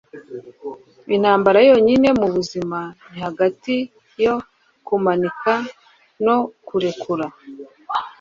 intambara yonyine mu buzima ni hagati yo kumanika no kurekura